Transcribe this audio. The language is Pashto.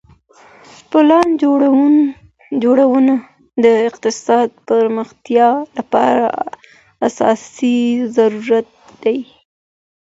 پلان جوړونه د اقتصادي پرمختيا لپاره اساسي ضرورت دی.